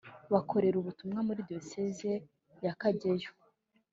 bakorera ubutumwa muri Diyosezi ya kageyo